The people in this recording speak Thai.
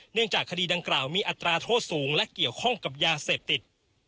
เนื่องจากคดีดังกล่าวมีอัตราโทษสูงและเกี่ยวข้องกับยาเสพติด